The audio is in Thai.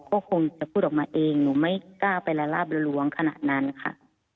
ก็คงจะพูดออกมาเองหนูไม่กล้าไปละลาบละล้วงขนาดนั้นค่ะ